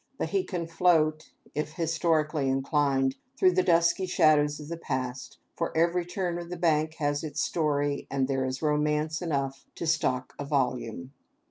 But he can float, if historically inclined, through the dusky shadows of the past, for every turn of the bank has its story, and there is romance enough to stock a volume.